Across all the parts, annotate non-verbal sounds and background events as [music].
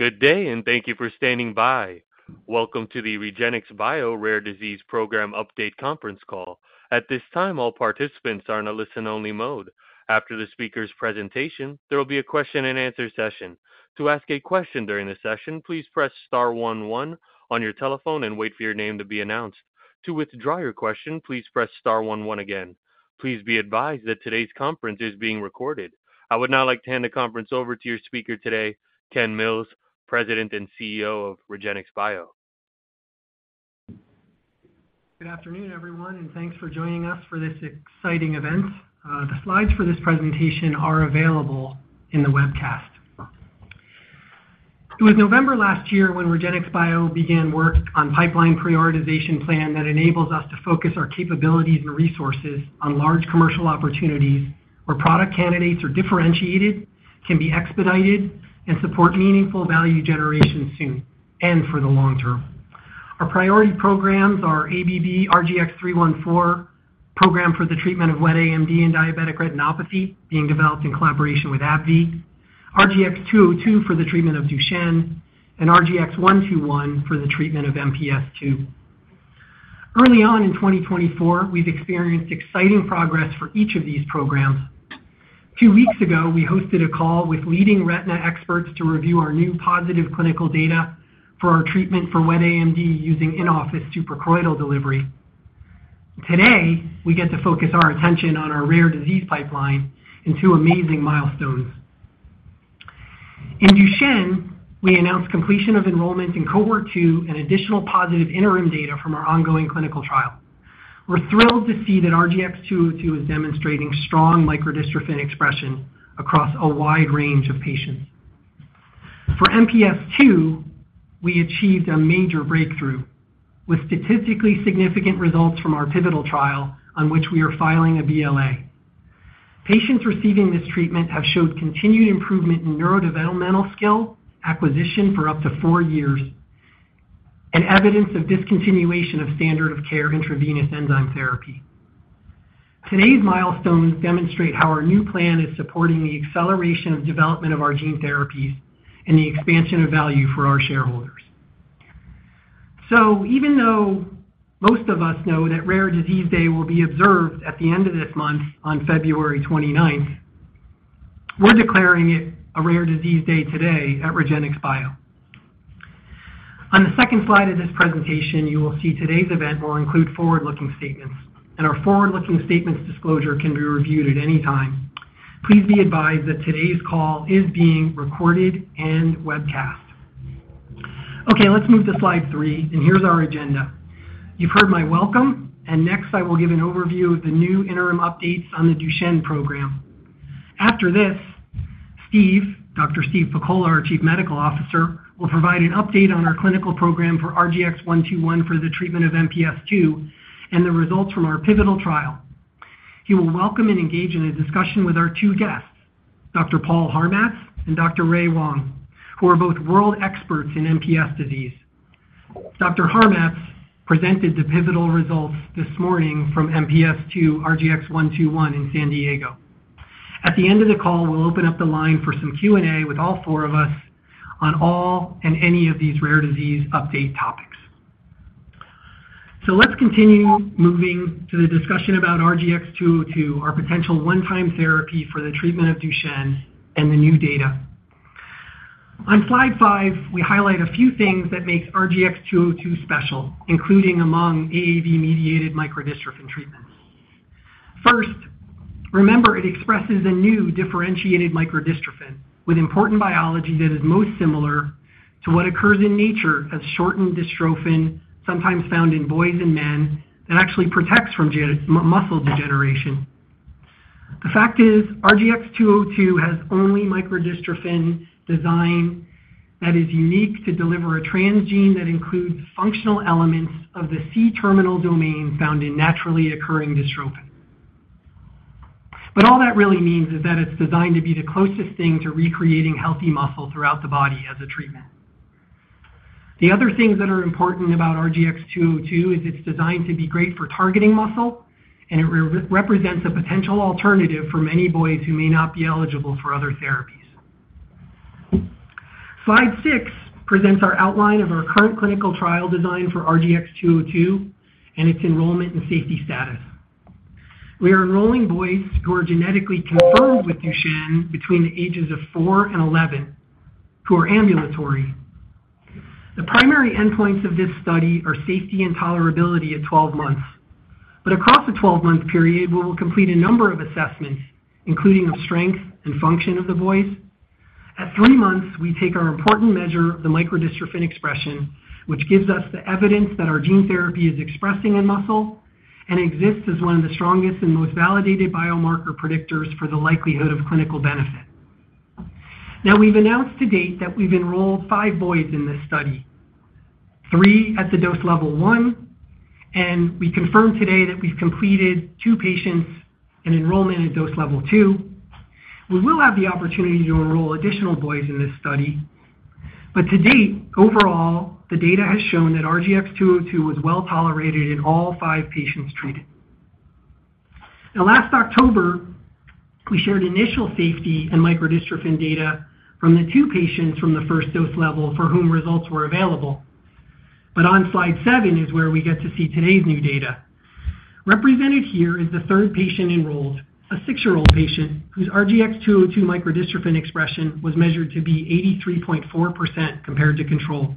Good day, and thank you for standing by. Welcome to the REGENXBIO Rare Disease Program Update conference call. At this time, all participants are in a listen-only mode. After the speaker's presentation, there will be a question-and-answer session. To ask a question during the session, please press star one one on your telephone and wait for your name to be announced. To withdraw your question, please press star one one again. Please be advised that today's conference is being recorded. I would now like to hand the conference over to your speaker today, Ken Mills, President and CEO of REGENXBIO. Good afternoon, everyone, and thanks for joining us for this exciting event. The slides for this presentation are available in the webcast. It was November last year when REGENXBIO began work on pipeline prioritization plan that enables us to focus our capabilities and resources on large commercial opportunities, where product candidates are differentiated, can be expedited, and support meaningful value generation soon and for the long term. Our priority programs are ABBV-RGX-314 program for the treatment of wet AMD and diabetic retinopathy, being developed in collaboration with AbbVie, RGX-202 for the treatment of Duchenne, and RGX-121 for the treatment of MPS II. Early on in 2024, we've experienced exciting progress for each of these programs. A few weeks ago, we hosted a call with leading retina experts to review our new positive clinical data for our treatment for wet AMD using in-office suprachoroidal delivery. Today, we get to focus our attention on our rare disease pipeline and two amazing milestones. In Duchenne, we announced completion of enrollment in cohort 2 and additional positive interim data from our ongoing clinical trial. We're thrilled to see that RGX-202 is demonstrating strong microdystrophin expression across a wide range of patients. For MPS II, we achieved a major breakthrough, with statistically significant results from our pivotal trial on which we are filing a BLA. Patients receiving this treatment have showed continued improvement in neurodevelopmental skill acquisition for up to four years, and evidence of discontinuation of standard of care intravenous enzyme therapy. A few weeks ago, we hosted a call with leading retina experts to review our new positive clinical data for our treatment for wet AMD using in-office suprachoroidal delivery. Today, we get to focus our attention on our rare disease pipeline and two amazing milestones. In Duchenne, we announced completion of enrollment in cohort 2 and additional positive interim data from our ongoing clinical trial. We're thrilled to see that RGX-202 is demonstrating strong microdystrophin expression across a wide range of patients. For MPS II, we achieved a major breakthrough, with statistically significant results from our pivotal trial on which we are filing a BLA. Patients receiving this treatment have showed continued improvement in neurodevelopmental skill acquisition for up to four years, and evidence of discontinuation of standard of care intravenous enzyme therapy. Steve Pakola, our Chief Medical Officer, will provide an update on our clinical program for RGX-121 for the treatment of MPS II and the results from our pivotal trial. He will welcome and engage in a discussion with our two guests, Dr. Paul Harmatz and Dr. Raymond Wang, who are both world experts in MPS disease. Dr. Harmatz presented the pivotal results this morning from MPS II RGX-121 in San Diego. At the end of the call, we'll open up the line for some Q&A with all four of us on all and any of these rare disease update topics. So let's continue moving to the discussion about RGX-202, our potential one-time therapy for the treatment of Duchenne and the new data. On slide five, we highlight a few things that makes RGX-202 special, including among AAV-mediated microdystrophin treatments. First, remember, it expresses a new differentiated microdystrophin with important biology that is most similar to what occurs in nature as shortened dystrophin, sometimes found in boys and men, that actually protects from muscle degeneration. The fact is, RGX-202 has only microdystrophin design that is unique to deliver a transgene that includes functional elements of the C-terminal domain found in naturally occurring dystrophin. But all that really means is that it's designed to be the closest thing to recreating healthy muscle throughout the body as a treatment. The other things that are important about RGX-202 is it's designed to be great for targeting muscle, and it represents a potential alternative for many boys who may not be eligible for other therapies. Slide six presents our outline of our current clinical trial design for RGX-202 and its enrollment and safety status. We are enrolling boys who are genetically confirmed with Duchenne between the ages of four and 11, who are ambulatory. The primary endpoints of this study are safety and tolerability at 12 months, but across the 12-month period, we will complete a number of assessments, including of strength and function of the voice. At three months, we take our important measure of the microdystrophin expression, which gives us the evidence that our gene therapy is expressing in muscle and exists as one of the strongest and most validated biomarker predictors for the likelihood of clinical benefit. Now, we've announced to date that we've enrolled five boys in this study, three at the dose level one, and we confirmed today that we've completed two patients in enrollment at dose level two. We will have the opportunity to enroll additional boys in this study, but to date, overall, the data has shown that RGX-202 was well tolerated in all five patients treated. Now, last October, we shared initial safety and microdystrophin data from the two patients from the first dose level for whom results were available. But on slide seven is where we get to see today's new data. Represented here is the third patient enrolled, a six-year-old patient whose RGX-202 microdystrophin expression was measured to be 83.4% compared to control.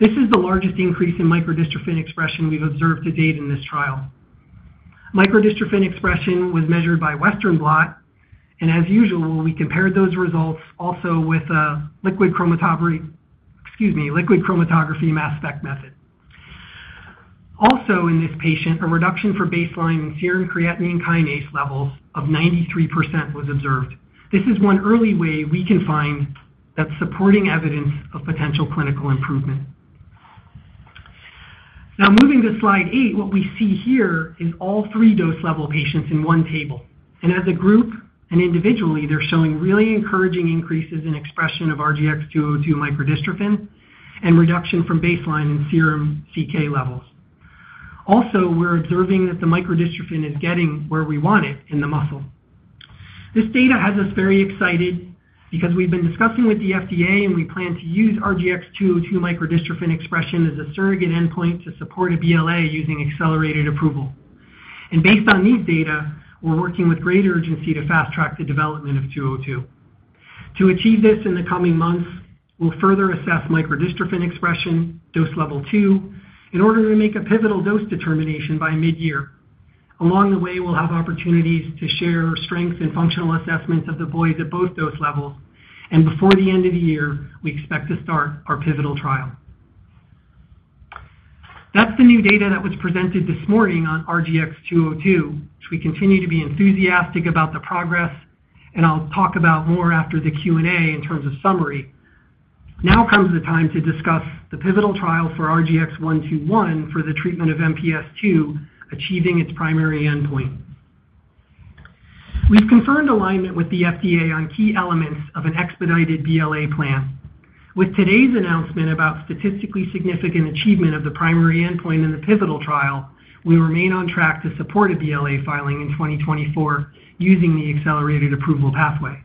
This is the largest increase in microdystrophin expression we've observed to date in this trial. Microdystrophin expression was measured by Western blot, and as usual, we compared those results also with a liquid chromatography mass spec method. Also, in this patient, a reduction from baseline in serum creatine kinase levels of 93% was observed. This is one early way we can find that supporting evidence of potential clinical improvement. Now, moving to slide eight, what we see here is all three dose level patients in one table, and as a group and individually, they're showing really encouraging increases in expression of RGX-202 microdystrophin and reduction from baseline in serum CK levels. Also, we're observing that the microdystrophin is getting where we want it in the muscle. This data has us very excited because we've been discussing with the FDA, and we plan to use RGX-202 microdystrophin expression as a surrogate endpoint to support a BLA using accelerated approval. And based on these data, we're working with greater urgency to fast-track the development of 202. To achieve this in the coming months, we'll further assess microdystrophin expression, dose level two, in order to make a pivotal dose determination by mid-year. Along the way, we'll have opportunities to share strength and functional assessments of the boys at both dose levels, and before the end of the year, we expect to start our pivotal trial. That's the new data that was presented this morning on RGX-202, which we continue to be enthusiastic about the progress, and I'll talk about more after the Q&A in terms of summary. Now comes the time to discuss the pivotal trial for RGX-121 for the treatment of MPS II, achieving its primary endpoint. We've confirmed alignment with the FDA on key elements of an expedited BLA plan. With today's announcement about statistically significant achievement of the primary endpoint in the pivotal trial, we remain on track to support a BLA filing in 2024 using the accelerated approval pathway.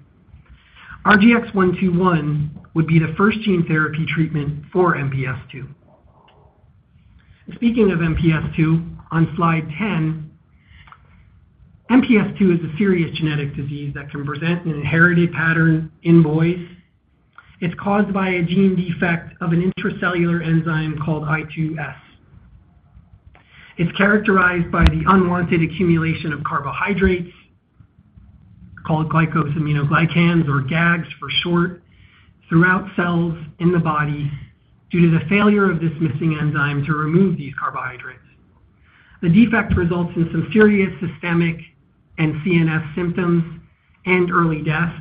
RGX-121 would be the first gene therapy treatment for MPS II. Speaking of MPS II, on slide 10, MPS II is a serious genetic disease that can present an inherited pattern in boys. It's caused by a gene defect of an intracellular enzyme called I2S. It's characterized by the unwanted accumulation of carbohydrates, called glycosaminoglycans or GAGs for short, throughout cells in the body due to the failure of this missing enzyme to remove these carbohydrates. The defect results in some serious systemic and CNS symptoms and early death.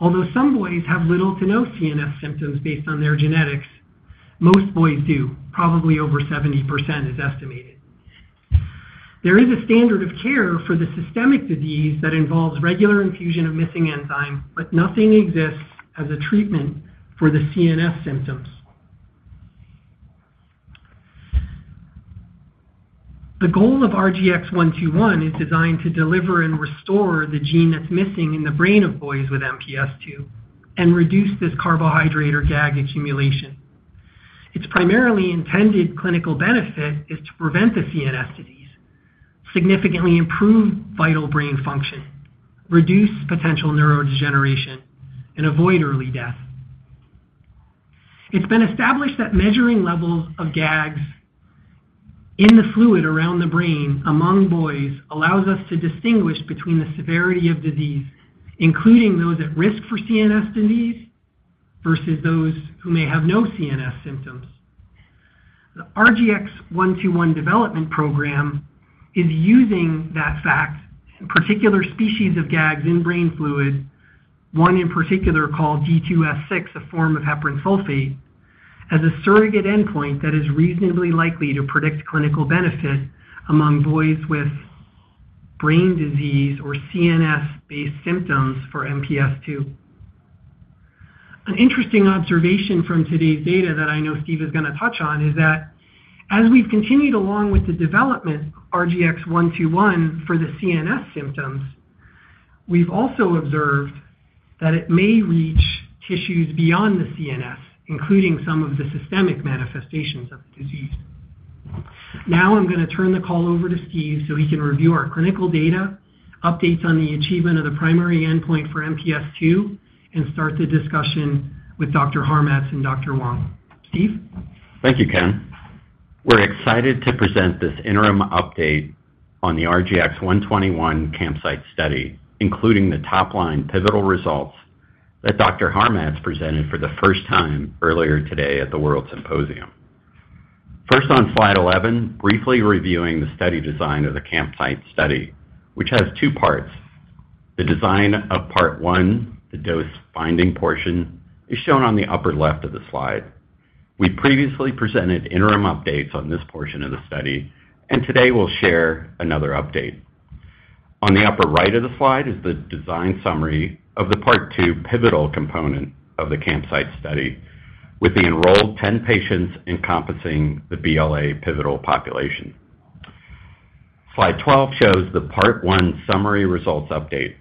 Although some boys have little to no CNS symptoms based on their genetics, most boys do. Probably over 70% is estimated. There is a standard of care for the systemic disease that involves regular infusion of missing enzyme, but nothing exists as a treatment for the CNS symptoms. The goal of RGX-121 is designed to deliver and restore the gene that's missing in the brain of boys with MPS II and reduce this carbohydrate or GAGs accumulation. Its primarily intended clinical benefit is to prevent the CNS disease, significantly improve vital brain function, reduce potential neurodegeneration, and avoid early death. It's been established that measuring levels of GAGs in the fluid around the brain among boys allows us to distinguish between the severity of disease, including those at risk for CNS disease, versus those who may have no CNS symptoms. The RGX-121 development program is using that fact, in particular species of GAGs in brain fluid, one in particular called D2S6, a form of heparan sulfate, as a surrogate endpoint that is reasonably likely to predict clinical benefit among boys with brain disease or CNS-based symptoms for MPS II. An interesting observation from today's data that I know Steve is going to touch on is that as we've continued along with the development of RGX-121 for the CNS symptoms, we've also observed that it may reach tissues beyond the CNS, including some of the systemic manifestations of the disease. Now I'm going to turn the call over to Steve so he can review our clinical data, updates on the achievement of the primary endpoint for MPS II, and start the discussion with Dr. Harmatz and Dr. Wang. Steve? Thank you, Ken. We're excited to present this interim update on the RGX-121 CAMPSIITE study, including the top-line pivotal results that Dr. Harmatz presented for the first time earlier today at the WORLDSymposium. First, on slide 11, briefly reviewing the study design of the CAMPSIITE study, which has two parts. The design of part one, the dose-finding portion, is shown on the upper left of the slide. We previously presented interim updates on this portion of the study, and today we'll share another update. On the upper right of the slide is the design summary of the part two pivotal component of the CAMPSIITE study, with the enrolled 10 patients encompassing the BLA pivotal population. Slide 12 shows the Part One summary results update.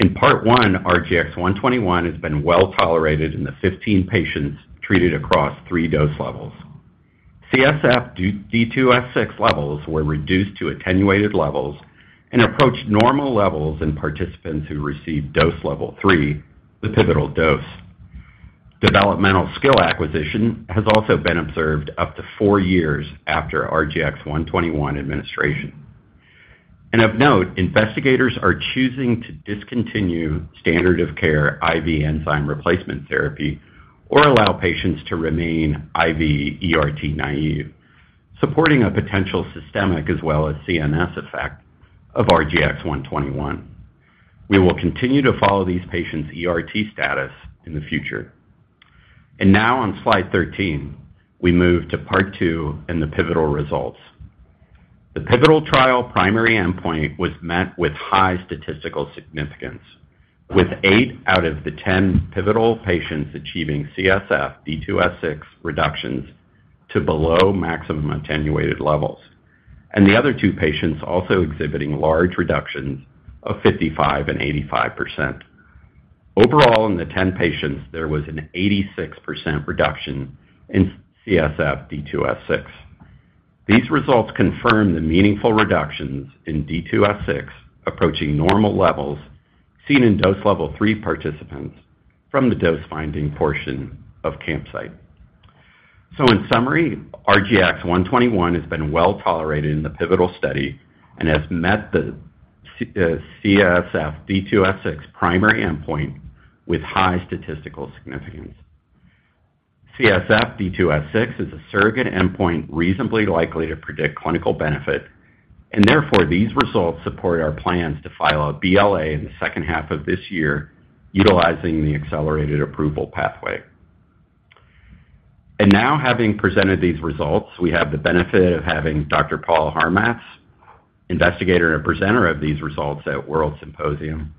In Part One, RGX-121 has been well tolerated in the 15 patients treated across three dose levels. CSF D2S6 levels were reduced to attenuated levels and approached normal levels in participants who received dose level three, the pivotal dose. Developmental skill acquisition has also been observed up to four years after RGX-121 administration. Of note, investigators are choosing to discontinue standard of care IV enzyme replacement therapy, or allow patients to remain IV ERT naive, supporting a potential systemic as well as CNS effect of RGX-121. We will continue to follow these patients' ERT status in the future. Now on slide 13, we move to Part Two and the pivotal results. The pivotal trial primary endpoint was met with high statistical significance, with eight out of the 10 pivotal patients achieving CSF D2S6 reductions to below maximum attenuated levels, and the other two patients also exhibiting large reductions of 55% and 85%. Overall, in the 10 patients, there was an 86% reduction in CSF D2S6. These results confirm the meaningful reductions in D2S6 approaching normal levels seen in dose level three participants from the dose-finding portion of CAMPSIITE. So in summary, RGX-121 has been well tolerated in the pivotal study and has met the CSF D2S6 primary endpoint with high statistical significance. CSF D2S6 is a surrogate endpoint reasonably likely to predict clinical benefit, and therefore, these results support our plans to file a BLA in the second half of this year, utilizing the accelerated approval pathway. And now, having presented these results, we have the benefit of having Dr. Paul Harmatz, investigator and presenter of these results at WORLDSymposium,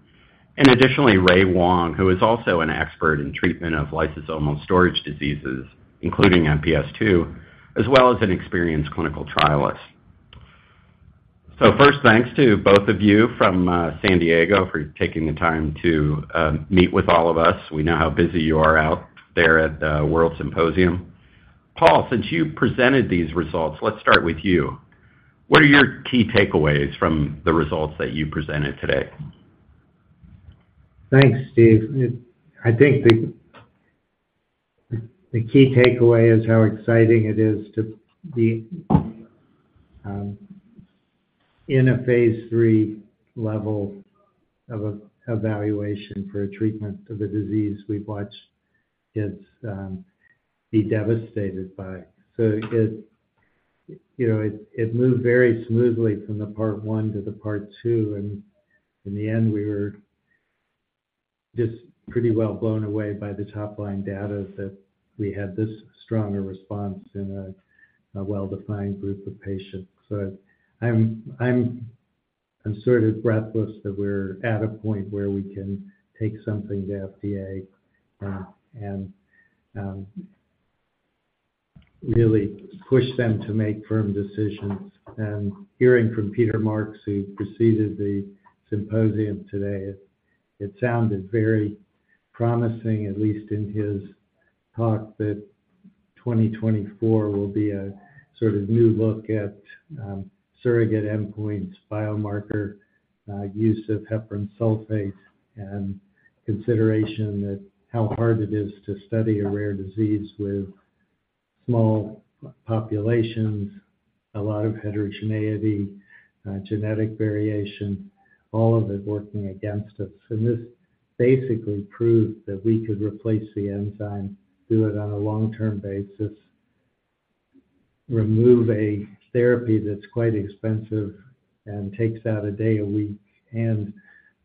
and additionally, Raymond Wang, who is also an expert in treatment of lysosomal storage diseases, including MPS II, as well as an experienced clinical trialist. So first, thanks to both of you from San Diego, for taking the time to meet with all of us. We know how busy you are out there at WORLDSymposium. Paul, since you presented these results, let's start with you. What are your key takeaways from the results that you presented today? Thanks, Steve. I think the key takeaway is how exciting it is to be in a phase three level of evaluation for a treatment of a disease we've watched kids be devastated by. So you know, it moved very smoothly from the part one to the part two, and in the end, we were just pretty well blown away by the top-line data that we had this strong a response in a well-defined group of patients. So I'm sort of breathless that we're at a point where we can take something to FDA and really push them to make firm decisions. Hearing from Peter Marks, who preceded the symposium today, it sounded very promising, at least in his talk, that 2024 will be a sort of new look at surrogate endpoints, biomarker use of heparan sulfate, and consideration that how hard it is to study a rare disease with small populations, a lot of heterogeneity, genetic variation, all of it working against us. And this basically proved that we could replace the enzyme, do it on a long-term basis, remove a therapy that's quite expensive and takes out a day a week, and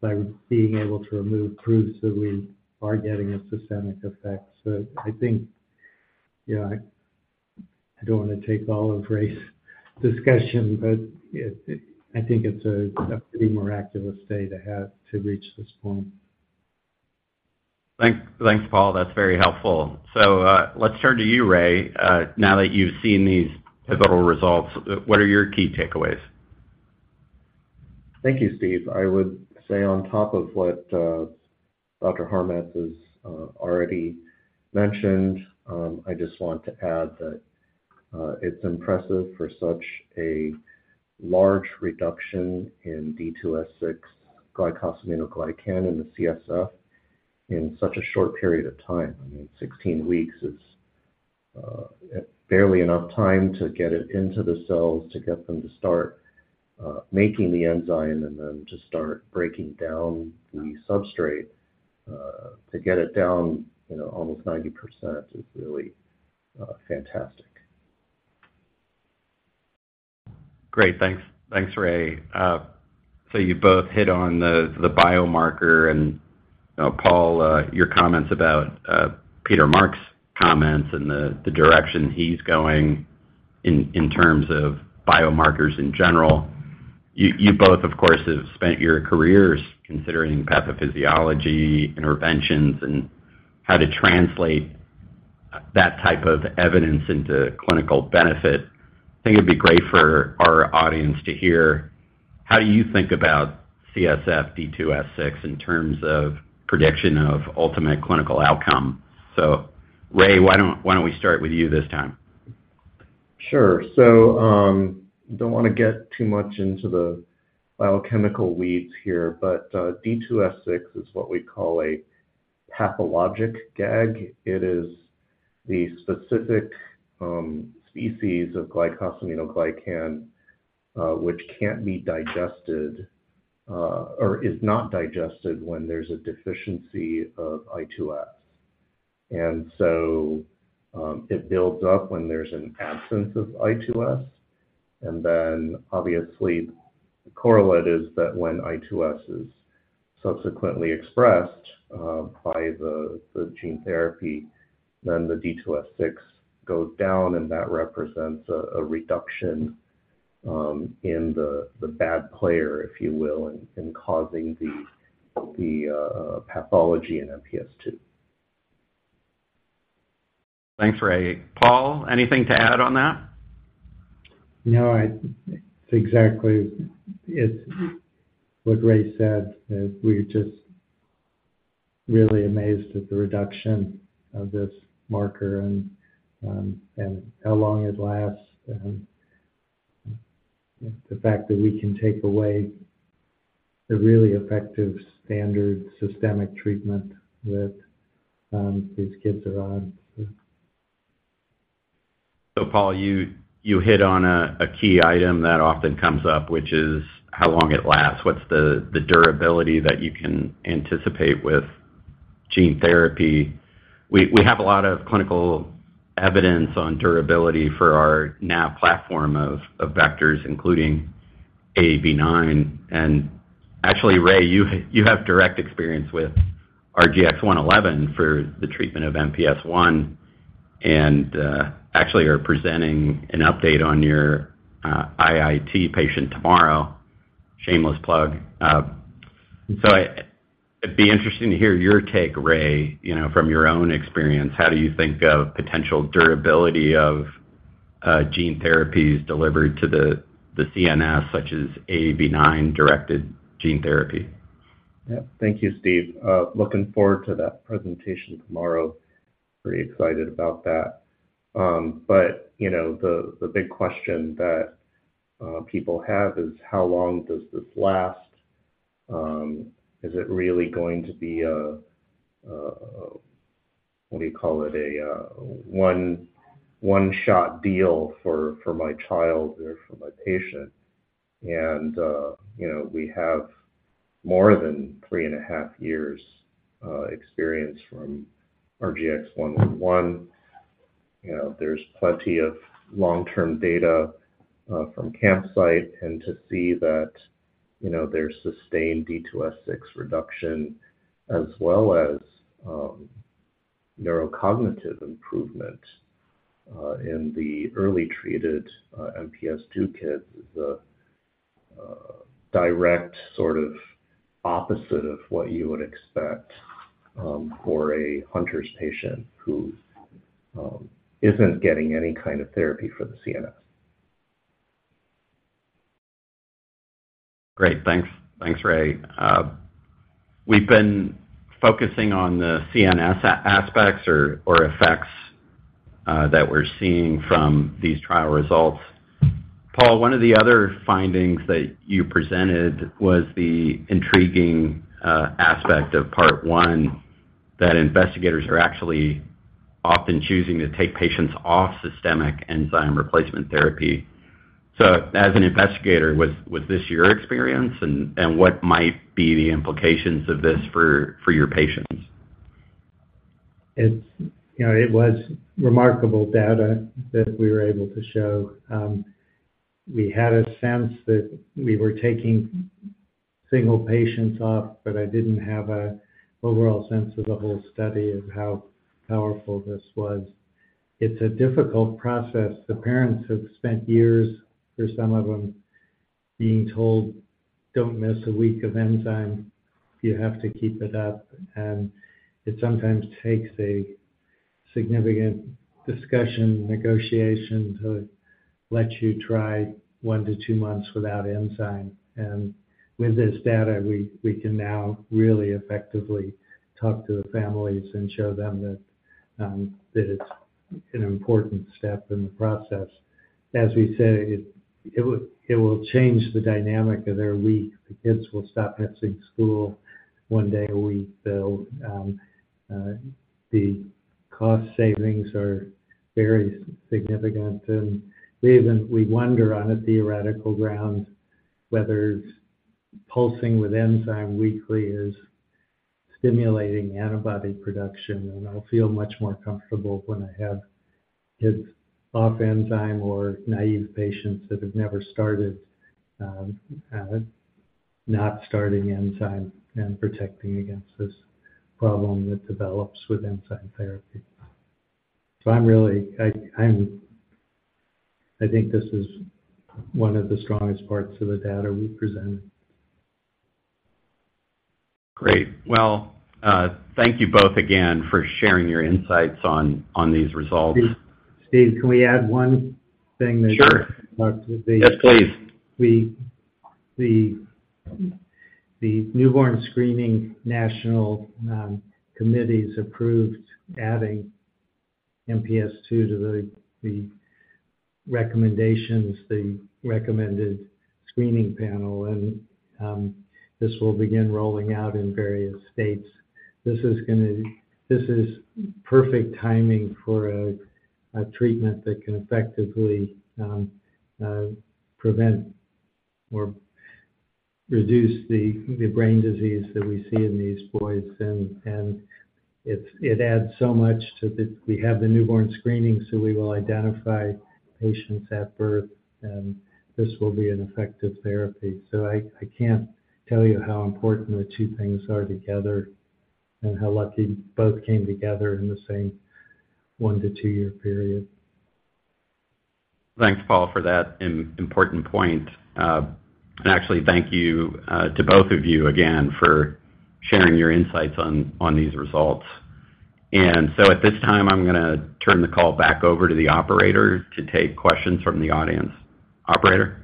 by being able to remove proof that we are getting a systemic effect. So I think, yeah, I don't want to take all of Ray's discussion, but it, I think it's a pretty miraculous day to have to reach this point. Thanks. Thanks, Paul. That's very helpful. So, let's turn to you, Ray. Now that you've seen these pivotal results, what are your key takeaways? Thank you, Steve. I would say on top of what, Dr. Harmatz has already mentioned, I just want to add that, it's impressive for such a large reduction in D2S6 glycosaminoglycan in the CSF in such a short period of time. I mean, 16 weeks is barely enough time to get it into the cells to get them to start making the enzyme and then to start breaking down the substrate. To get it down, you know, almost 90% is really fantastic. Great. Thanks. Thanks, Ray. So you both hit on the biomarker and Paul, your comments about Peter Marks's comments and the direction he's going in terms of biomarkers in general... You both, of course, have spent your careers considering pathophysiology, interventions, and how to translate that type of evidence into clinical benefit. I think it'd be great for our audience to hear how you think about CSF D2S6 in terms of prediction of ultimate clinical outcome. So Ray, why don't we start with you this time? Sure. So, don't wanna get too much into the biochemical weeds here, but, D2S6 is what we call a pathologic GAG. It is the specific species of glycosaminoglycan which can't be digested or is not digested when there's a deficiency of I2S. And so, it builds up when there's an absence of I2S, and then obviously, the correlate is that when I2S is subsequently expressed by the gene therapy, then the D2S6 goes down, and that represents a reduction in the bad player, if you will, in causing the pathology in MPS II. Thanks, Ray. Paul, anything to add on that? No, exactly. It's what Ray said, that we're just really amazed at the reduction of this marker and how long it lasts, and the fact that we can take away the really effective standard systemic treatment that these kids are on. So Paul, you hit on a key item that often comes up, which is how long it lasts. What's the durability that you can anticipate with gene therapy? We have a lot of clinical evidence on durability for our NAV platform of vectors, including AAV9. And actually, Ray, you have direct experience with RGX-111 for the treatment of MPS I, and actually are presenting an update on your IIT patient tomorrow. Shameless plug. So it'd be interesting to hear your take, Ray, you know, from your own experience, how do you think of potential durability of gene therapies delivered to the CNS, such as AAV9-directed gene therapy? Yeah. Thank you, Steve. Looking forward to that presentation tomorrow. Very excited about that. But, you know, the big question that people have is: How long does this last? Is it really going to be a one-shot deal for my child or for my patient? And, you know, we have more than 3.5 years experience from RGX-111. You know, there's plenty of long-term data from CAMPSIITE to see that, you know, there's sustained D2S6 reduction, as well as neurocognitive improvement in the early-treated MPS II kids, is a direct sort of opposite of what you would expect for a Hunter's patient who isn't getting any kind of therapy for the CNS. Great. Thanks. Thanks, Ray. We've been focusing on the CNS aspects or effects that we're seeing from these trial results. Paul, one of the other findings that you presented was the intriguing aspect of part one, that investigators are actually often choosing to take patients off systemic enzyme replacement therapy. So as an investigator, was this your experience? And what might be the implications of this for your patients? You know, it was remarkable data that we were able to show. We had a sense that we were taking single patients off, but I didn't have an overall sense of the whole study of how powerful this was. It's a difficult process. The parents have spent years, for some of them, being told, "Don't miss a week of enzyme. You have to keep it up." And it sometimes takes a significant discussion, negotiation to let you try one to two months without enzyme. And with this data, we, we can now really effectively talk to the families and show them that, that it's an important step in the process. As we say, it, it would- it will change the dynamic of their week. The kids will stop missing school one day a week. So, the cost savings are very significant, and we even wonder on a theoretical ground whether pulsing with enzyme weekly is stimulating antibody production. And I'll feel much more comfortable when I have kids off enzyme or naive patients that have never started, not starting enzyme and protecting against this problem that develops with enzyme therapy... So I'm really, I think this is one of the strongest parts of the data we've presented. Great. Well, thank you both again for sharing your insights on these results. Steve, can we add one thing that- Sure. Yes, please. The Newborn Screening National Committee approved adding MPS II to the recommendations, the recommended screening panel, and this will begin rolling out in various states. This is gonna. This is perfect timing for a treatment that can effectively prevent or reduce the brain disease that we see in these boys. And it's, it adds so much to the. We have the newborn screening, so we will identify patients at birth, and this will be an effective therapy. So I can't tell you how important the two things are together and how lucky both came together in the same one-to two-year period. Thanks, Paul, for that important point. Actually, thank you to both of you again for sharing your insights on these results. So at this time, I'm gonna turn the call back over to the operator to take questions from the audience. Operator?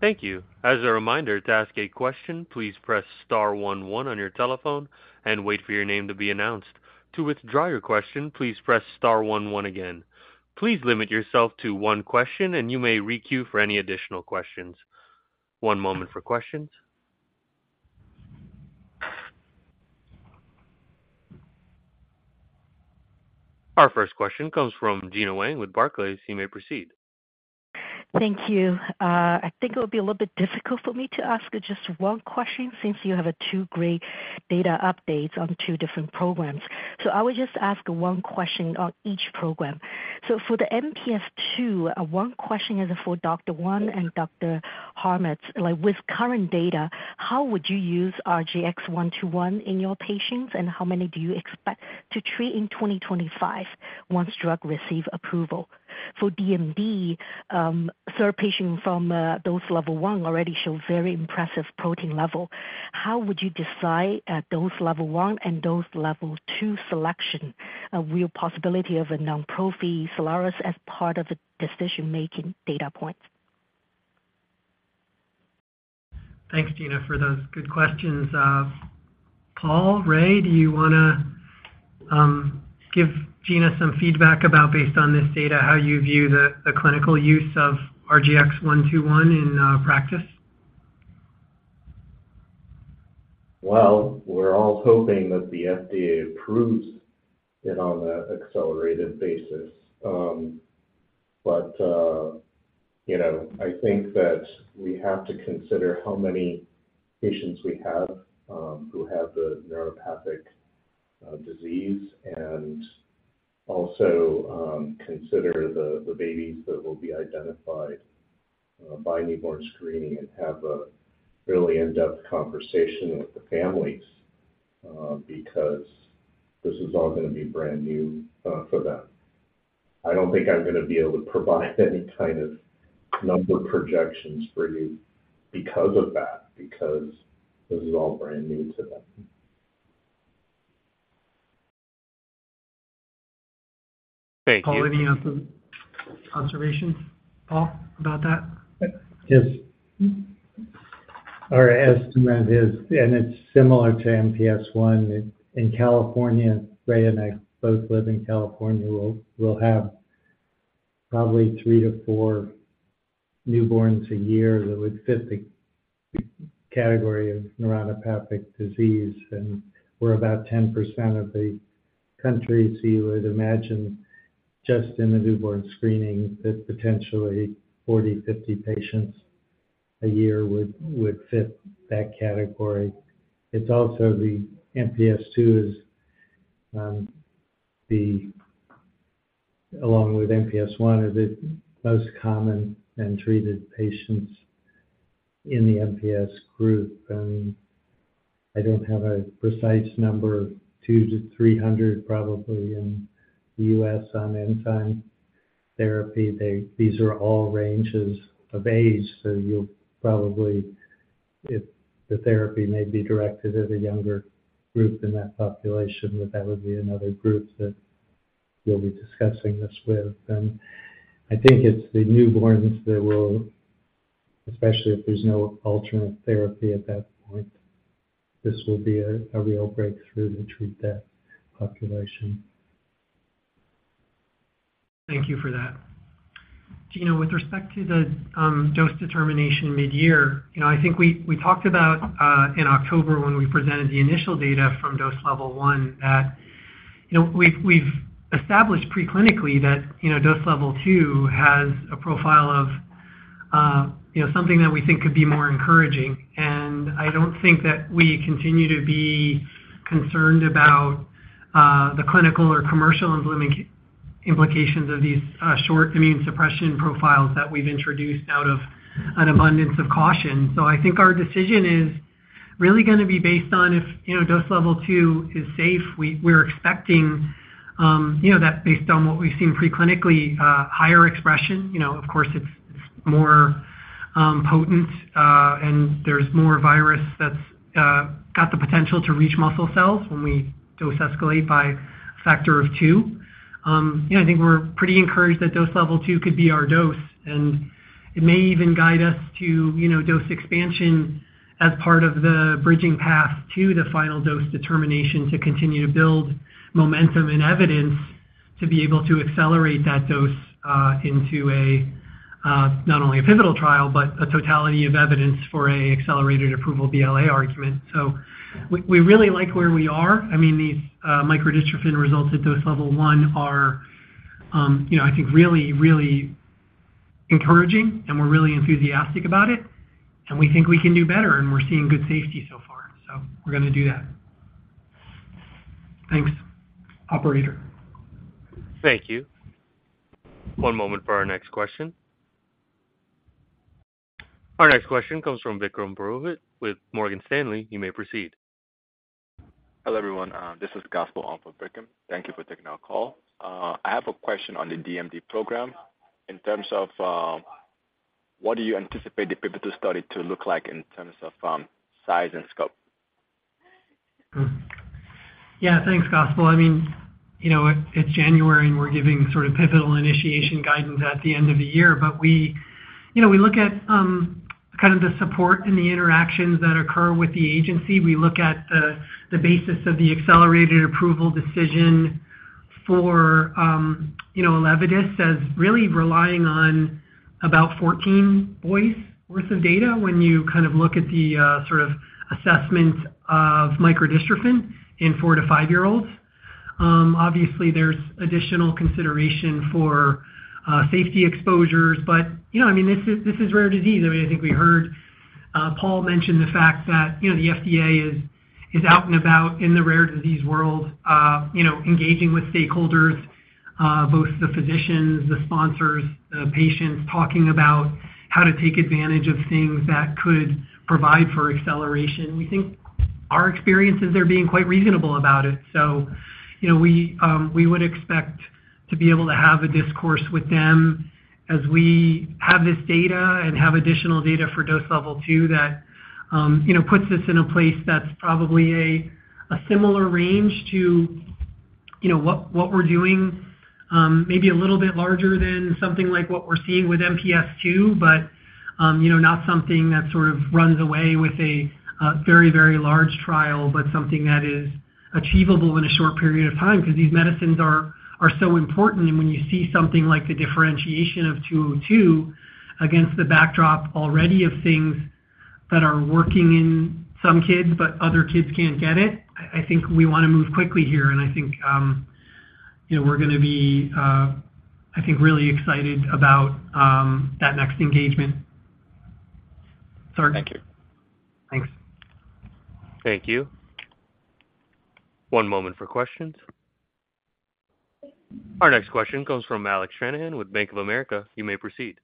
Thank you. As a reminder, to ask a question, please press star one one on your telephone and wait for your name to be announced. To withdraw your question, please press star one one again. Please limit yourself to one question, and you may requeue for any additional questions. One moment for questions. Our first question comes from Gena Wang with Barclays. You may proceed. Thank you. I think it will be a little bit difficult for me to ask just one question since you have two great data updates on two different programs. So I will just ask one question on each program. So for the MPS II, one question is for Dr. Wang and Dr. Harmatz. Like, with current data, how would you use RGX-121 in your patients, and how many do you expect to treat in 2025 once drug receive approval? For DMD, third patient from dose level one already show very impressive protein level. How would you decide at dose level one and dose level two selection, a real possibility of a non-prophy SOLIRIS as part of the decision-making data points? Thanks, Gena, for those good questions. Paul, Ray, do you wanna give Gena some feedback about, based on this data, how you view the, the clinical use of RGX-121 in practice? Well, we're all hoping that the FDA approves it on an accelerated basis. But, you know, I think that we have to consider how many patients we have who have the neuropathic disease, and also consider the babies that will be identified by newborn screening and have a really in-depth conversation with the families, because this is all gonna be brand new for them. I don't think I'm gonna be able to provide any kind of number projections for you because of that, because this is all brand new to them. Thank you. Paul, any other observations, Paul, about that? Yes. Our estimate is, and it's similar to MPS I, in California, Ray and I both live in California, we'll have probably three to four newborns a year that would fit the category of neuropathic disease, and we're about 10% of the country. So you would imagine just in the newborn screening, that potentially 40-50 patients a year would fit that category. It's also the MPS II, along with MPS I, is the most common and treated patients in the MPS group. And I don't have a precise number, 200-300, probably in the U.S. on enzyme therapy. These are all ranges of age, so you'll probably, if the therapy may be directed at a younger group in that population, that that would be another group that you'll be discussing this with. I think it's the newborns that will, especially if there's no alternate therapy at that point, this will be a real breakthrough to treat that population. Thank you for that. Gena, with respect to the dose determination midyear, you know, I think we talked about in October when we presented the initial data from dose level one, that, you know, we've established preclinically that, you know, dose level two has a profile of, you know, something that we think could be more encouraging. And I don't think that we continue to be concerned about the clinical or commercial implications of these short immune suppression profiles that we've introduced out of an abundance of caution. So I think our decision is... Really gonna be based on if, you know, dose level two is safe. We're expecting, you know, that based on what we've seen preclinically, higher expression, you know, of course, it's more potent, and there's more virus that's got the potential to reach muscle cells when we dose escalate by a factor of two. Yeah, I think we're pretty encouraged that dose level two could be our dose, and it may even guide us to, you know, dose expansion as part of the bridging path to the final dose determination, to continue to build momentum and evidence to be able to accelerate that dose into not only a pivotal trial, but a totality of evidence for an accelerated approval BLA argument. So we really like where we are. I mean, these, microdystrophin results at dose level one are, you know, I think really, really encouraging, and we're really enthusiastic about it, and we think we can do better, and we're seeing good safety so far, so we're gonna do that. Thanks. Operator? Thank you. One moment for our next question. Our next question comes from Vikram Purohit with Morgan Stanley. You may proceed. Hello, everyone, this is. [inaudible] Thank you for taking our call. I have a question on the DMD program in terms of, what do you anticipate the pivotal study to look like in terms of, size and scope? Yeah, thanks, Gospel. I mean, you know, it's January, and we're giving sort of pivotal initiation guidance at the end of the year. But we, you know, we look at kind of the support and the interactions that occur with the agency. We look at the basis of the accelerated approval decision for, you know, ELEVIDYS, as really relying on about 14 boys worth of data when you kind of look at the sort of assessments of microdystrophin in four- to five-year-olds. Obviously, there's additional consideration for safety exposures, but, you know, I mean, this is rare disease. I mean, I think we heard Paul mention the fact that, you know, the FDA is out and about in the rare disease world, you know, engaging with stakeholders, both the physicians, the sponsors, the patients, talking about how to take advantage of things that could provide for acceleration. We think our experiences are being quite reasonable about it. So, you know, we, we would expect to be able to have a discourse with them as we have this data and have additional data for dose level two, that, you know, puts us in a place that's probably a similar range to, you know, what, what we're doing, maybe a little bit larger than something like what we're seeing with MPS II, but, you know, not something that sort of runs away with a very, very large trial, but something that is achievable in a short period of time. Because these medicines are, are so important, and when you see something like the differentiation of 202 against the backdrop already of things that are working in some kids, but other kids can't get it, I, I think we wanna move quickly here. I think, you know, we're gonna be, I think, really excited about that next engagement. Sir- Thank you. Thanks. Thank you. One moment for questions. Our next question comes from Alec Shanahan with Bank of America. You may proceed.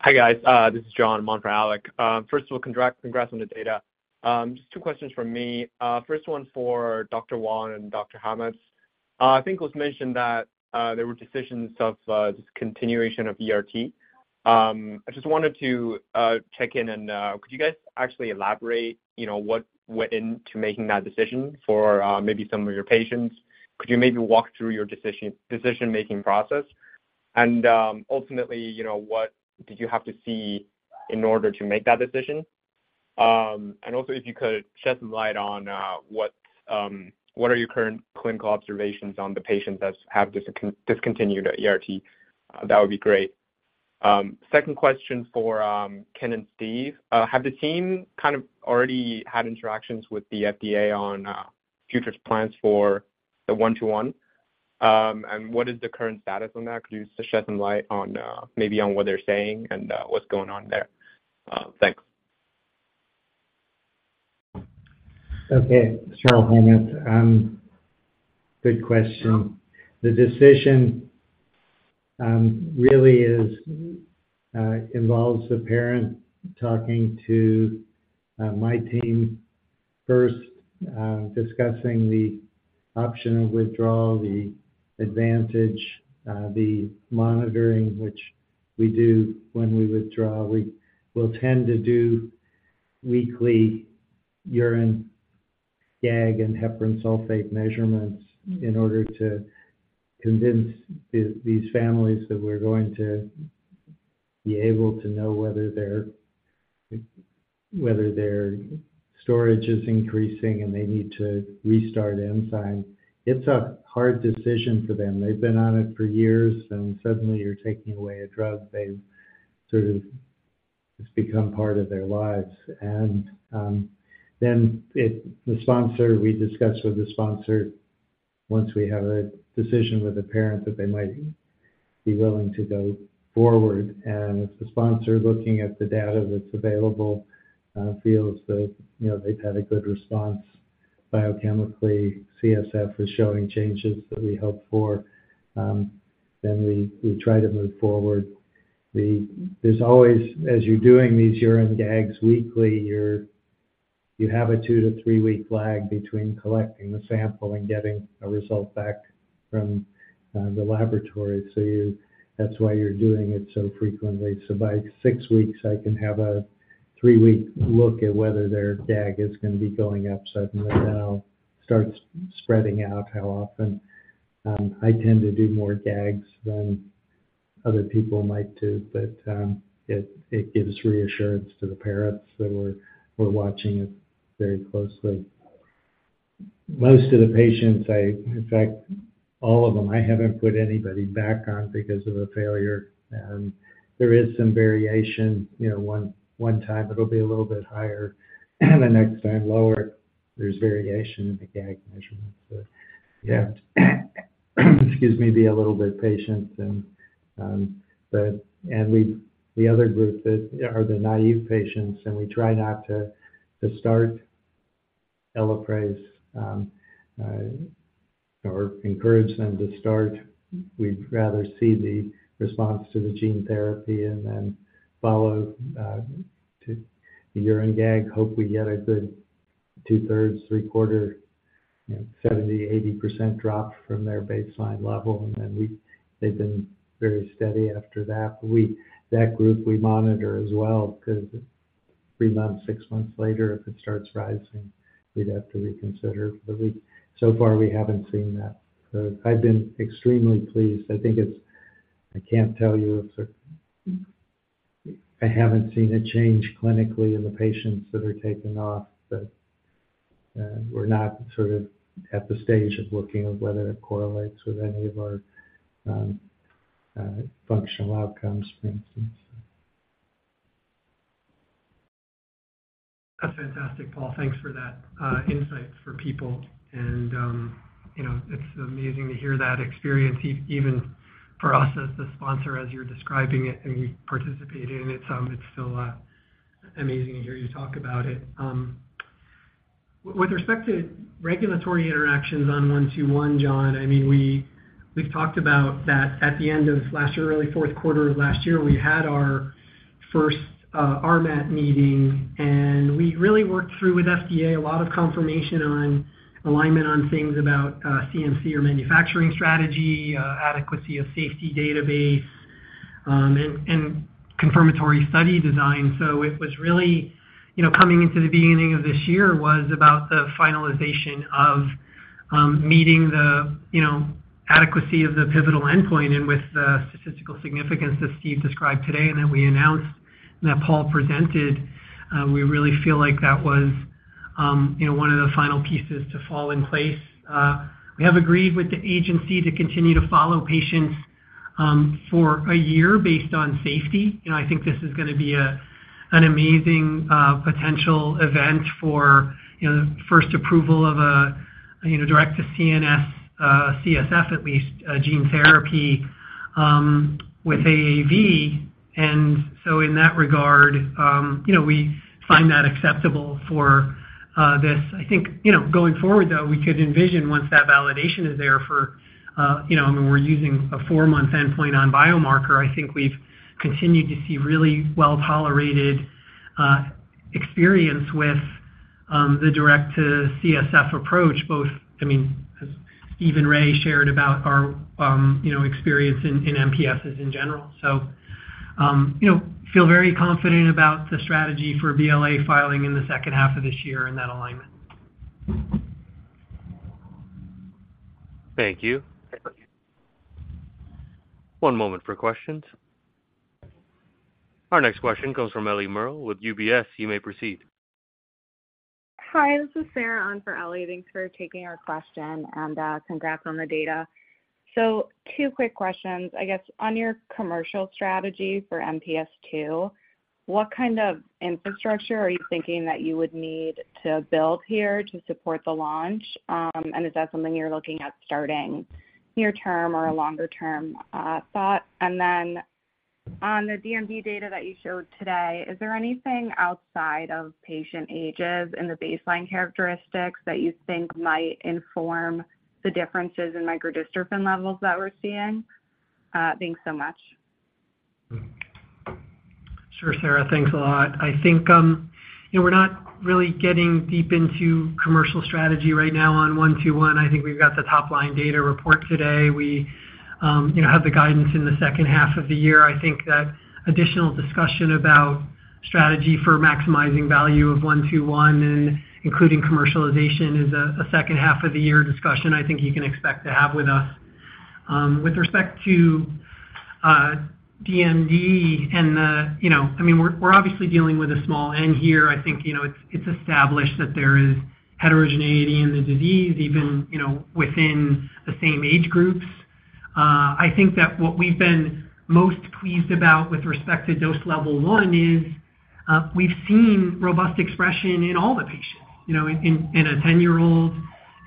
Hi, guys, this is John I'm on for Alec. First of all, congrats, congrats on the data. Just two questions from me. First one for Dr. Wang and Dr. Harmatz. I think it was mentioned that there were decisions of discontinuation of ERT. I just wanted to check in and could you guys actually elaborate, you know, what went into making that decision for maybe some of your patients? Could you maybe walk through your decision-making process? And ultimately, you know, what did you have to see in order to make that decision? And also, if you could shed some light on what are your current clinical observations on the patients that have discontinued ERT, that would be great. Second question for Ken and Steve. Have the team kind of already had interactions with the FDA on future plans for the one-to-one? And what is the current status on that? Could you just shed some light on maybe on what they're saying and what's going on there? Thanks. Okay, sure. [inaudible] Good question. The decision really involves the parent talking to my team first, discussing the option of withdrawal, the advantage, the monitoring, which we do when we withdraw. We will tend to do weekly urine GAG and heparan sulfate measurements in order to convince these families that we're going to be able to know whether their storage is increasing, and they need to restart enzyme. It's a hard decision for them. They've been on it for years, and suddenly you're taking away a drug they've sort of... It's become part of their lives. Then, the sponsor, we discuss with the sponsor once we have a decision with the parent, that they might be willing to go forward. If the sponsor, looking at the data that's available, you know, feels that they've had a good response- ...biochemically, CSF is showing changes that we hope for, then we try to move forward. There's always, as you're doing these urine GAGs weekly, you have a two- to three-week lag between collecting the sample and getting a result back from the laboratory. So that's why you're doing it so frequently. So by six weeks, I can have a three-week look at whether their GAG is gonna be going up suddenly, and then I'll start spreading out how often. I tend to do more GAGs than other people might do, but it gives reassurance to the parents that we're watching it very closely. Most of the patients, in fact, all of them, I haven't put anybody back on because of a failure. And there is some variation. You know, one time it'll be a little bit higher, and the next time, lower. There's variation in the GAG measurements. But yeah, excuse me, be a little bit patient and, but and we've the other group that are the naive patients, and we try not to start ELAPRASE or encourage them to start. We'd rather see the response to the gene therapy and then follow to the urine GAG, hopefully get a good two-thirds, three-quarter, you know, 70%-80% drop from their baseline level, and then they've been very steady after that. We, that group, we monitor as well, 'cause three months, six months later, if it starts rising, we'd have to reconsider. But so far, we haven't seen that. So I've been extremely pleased. I think it's, I can't tell you if there... I haven't seen a change clinically in the patients that are taken off, but, we're not sort of at the stage of looking at whether it correlates with any of our, functional outcomes, for instance. That's fantastic, Paul. Thanks for that, insight for people. And, you know, it's amazing to hear that experience, even for us as the sponsor, as you're describing it and you participated in it. It's still, amazing to hear you talk about it. With respect to regulatory interactions on 121, John, I mean, we've talked about that. At the end of last year, early fourth quarter of last year, we had our first, RMAT meeting, and we really worked through with FDA, a lot of confirmation on alignment on things about, CMC or manufacturing strategy, adequacy of safety database, and confirmatory study design. So it was really, you know, coming into the beginning of this year, was about the finalization of meeting the, you know, adequacy of the pivotal endpoint and with the statistical significance, as Steve described today and that we announced, that Paul presented, we really feel like that was, you know, one of the final pieces to fall in place. We have agreed with the agency to continue to follow patients for a year based on safety. You know, I think this is gonna be a, an amazing potential event for, you know, the first approval of a, you know, direct to CNS, CSF at least, gene therapy with AAV. And so in that regard, you know, we find that acceptable for this. I think, you know, going forward, though, we could envision once that validation is there for, you know, I mean, we're using a four-month endpoint on biomarker. I think we've continued to see really well-tolerated experience with the direct-to-CSF approach, both, I mean, as Steve and Ray shared about our, you know, experience in, in MPS in general. So, you know, feel very confident about the strategy for BLA filing in the second half of this year and that alignment. Thank you. One moment for questions. Our next question comes from Ellie Merle with UBS. You may proceed. Hi, this is Sarah on for Ellie. Thanks for taking our question, and congrats on the data. Two quick questions. I guess on your commercial strategy for MPS II, what kind of infrastructure are you thinking that you would need to build here to support the launch? And is that something you're looking at starting near term or a longer-term thought? And then on the DMD data that you showed today, is there anything outside of patient ages and the baseline characteristics that you think might inform the differences in microdystrophin levels that we're seeing? Thanks so much. Sure, Sarah. Thanks a lot. I think, you know, we're not really getting deep into commercial strategy right now on 121. I think we've got the top-line data report today. We, you know, have the guidance in the second half of the year. I think that additional discussion about strategy for maximizing value of 121 and including commercialization, is a second half of the year discussion I think you can expect to have with us. With respect to, DMD and the, you know, I mean, we're obviously dealing with a small N here. I think, you know, it's established that there is heterogeneity in the disease, even, you know, within the same age groups. I think that what we've been most pleased about with respect to dose level one is, we've seen robust expression in all the patients. You know, in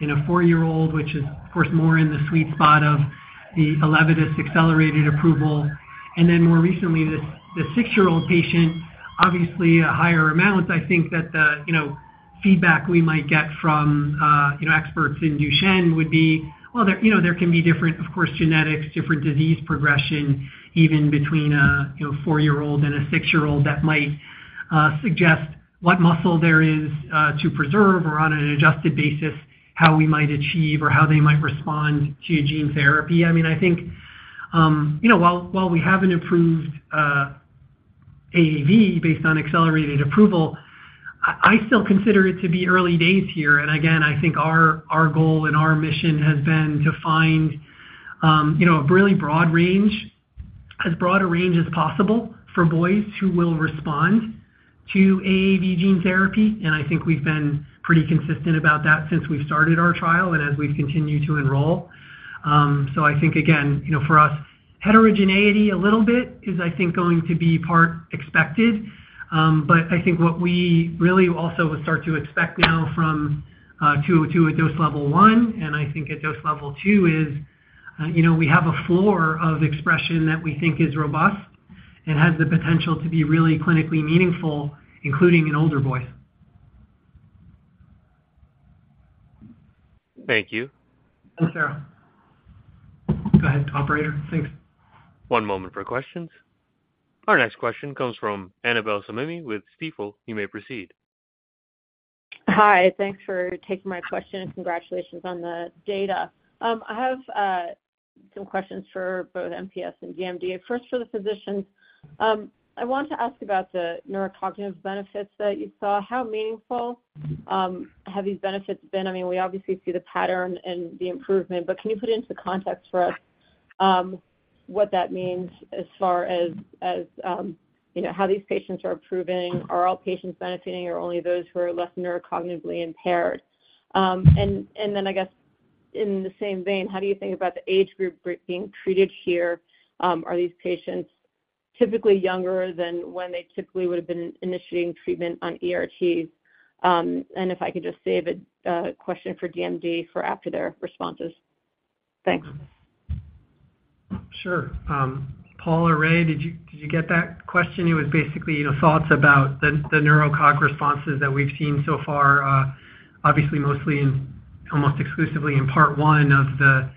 a four-year-old, which is, of course, more in the sweet spot of the ELEVIDYS accelerated approval. And then more recently, the six-year-old patient, obviously, a higher amount. I think that the, you know, feedback we might get from, you know, experts in Duchenne would be, well, there, you know, there can be different, of course, genetics, different disease progression, even between a, you know, four-year-old and a six-year-old that might suggest what muscle there is to preserve or on an adjusted basis, how we might achieve or how they might respond to a gene therapy. I mean, I think, you know, while, while we have an approved AAV based on accelerated approval, I, I still consider it to be early days here. And again, I think our, our goal and our mission has been to find, you know, a really broad range, as broad a range as possible for boys who will respond to AAV gene therapy. And I think we've been pretty consistent about that since we started our trial and as we've continued to enroll. So I think, again, you know, for us, heterogeneity a little bit is, I think, going to be part expected. But I think what we really also would start to expect now from, two... to a dose level one, and I think at dose level two, is, you know, we have a floor of expression that we think is robust and has the potential to be really clinically meaningful, including in older boys. Thank you. Thanks, Sarah. Go ahead, operator. Thanks. One moment for questions. Our next question comes from Annabel Samimy with Stifel. You may proceed. Hi, thanks for taking my question, and congratulations on the data. I have some questions for both MPS and DMD. First, for the physicians, I want to ask about the neurocognitive benefits that you saw. How meaningful have these benefits been? I mean, we obviously see the pattern and the improvement, but can you put it into context for us, what that means as far as, you know, how these patients are improving? Are all patients benefiting, or only those who are less neurocognitively impaired? And then I guess, in the same vein, how do you think about the age group being treated here? Are these patients typically younger than when they typically would have been initiating treatment on ERT? And if I could just save a question for DMD for after their responses. Thanks. Sure. Paul or Ray, did you get that question? It was basically, you know, thoughts about the neurocog responses that we've seen so far, obviously mostly in, almost exclusively in part oneof the